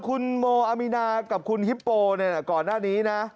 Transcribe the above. คุณโมอามีนากับคุณฮิปโปก่อนหน้านี้นะ